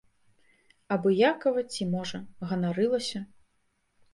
Абыякава ці, можа, ганарылася?